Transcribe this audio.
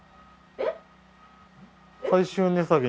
えっ？